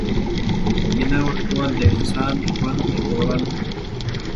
وینه ورکول د یو انسان ژوند ژغورل دي.